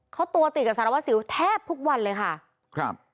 เขาตัวติดกับสารวัสสิวแทบทุกวันเลยค่ะครับ